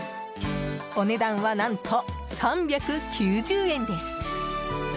お値段は何と３９０円です。